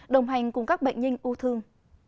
đồng hành cùng các bệnh nhân u thương